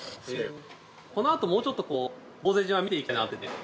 このあともうちょっと坊勢島見ていきたいなと思ってて。